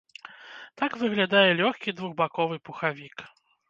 Так выглядае лёгкі двухбаковы пухавік.